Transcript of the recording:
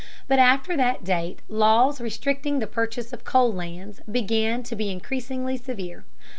But after that date laws restricting the purchase of coal lands began to be increasingly severe.